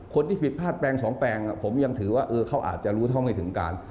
ความผิดพลาดแปลงสองแปลงผมยังถือว่าเขาอาจจะรู้เท่าไม่ถึงการ